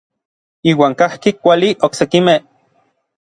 Iuan kajki kuali oksekimej.